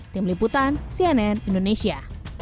tim liputan cnn indonesia